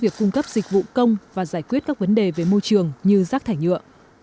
việc cung cấp dịch vụ công và giải quyết các vấn đề về môi trường như rác thải nhựa